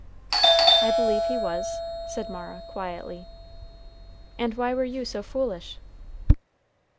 "I believe he was," said Mara, quietly. "And why were you so foolish?"